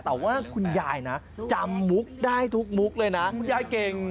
แต่ว่าคุณยายนะจำมุกได้ทุกมุกเลยนะคุณยายเก่ง